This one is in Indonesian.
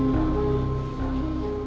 atau cuma mementingkan diri sendiri